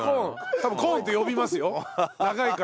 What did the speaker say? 多分コーンって呼びますよ長いから。